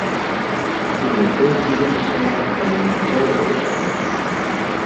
І не толькі ён сам, але і ўся яго сям'я.